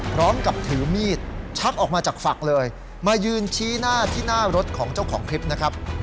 พร้อมกับถือมีดชักออกมาจากฝักเลยมายืนชี้หน้าที่หน้ารถของเจ้าของคลิปนะครับ